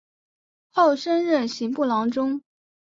后升任刑部郎中。